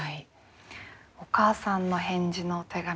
お母さんの返事のお手紙